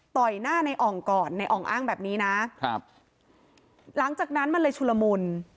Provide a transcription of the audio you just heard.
หน้าในอ่องก่อนในอ่องอ้างแบบนี้นะครับหลังจากนั้นมันเลยชุลมุน